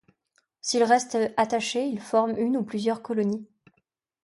S'ils restent attachés, ils forment une ou plusieurs colonies.